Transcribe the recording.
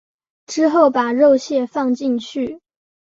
之后把肉馅放进去。